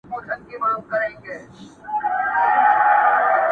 همېشه به يې دوه درې فصله کرلې،